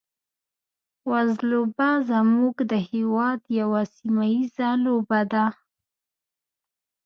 وزلوبه زموږ د هېواد یوه سیمه ییزه لوبه ده.